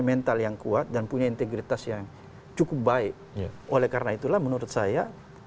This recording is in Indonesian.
mental yang kuat dan punya integritas yang cukup baik oleh karena itulah menurut saya